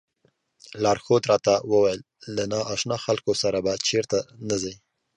لارښود راته وویل له نا اشنا خلکو سره به چېرته نه ځئ.